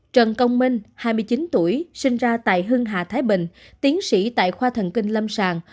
trần công minh hai mươi chín tuổi sinh ra tại hưng hà thái bình tiến sĩ tại khoa thần kinh lâm sàng